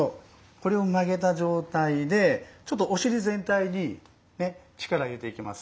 これを曲げた状態でちょっとお尻全体に力入れていきます。